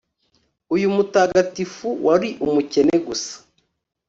Uyu mutagatifu wari umukene gusa